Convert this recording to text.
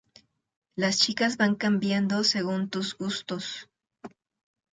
Las chicas van cambiando según tus gustos.